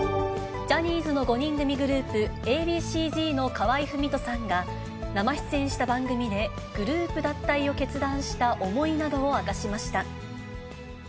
ジャニーズの５人組グループ、Ａ．Ｂ．ＣーＺの河合郁人さんが、生出演した番組で、グループ脱退を決断した思いなどを明かしました。